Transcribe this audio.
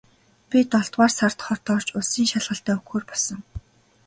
Би долоодугаар сард хот орж улсын шалгалтаа өгөхөөр болсон.